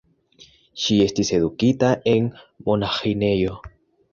Ŝi estis edukita en monaĥinejo.